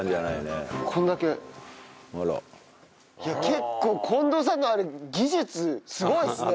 結構近藤さんのあれ技術すごいっすね。